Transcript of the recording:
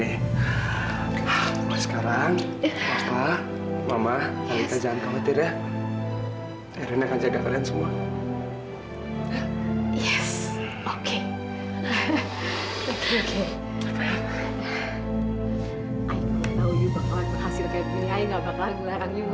ibu cuma lima menit juga jangan